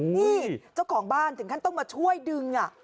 นี่เจ้าของบ้านถึงขั้นต้องมาช่วยดึง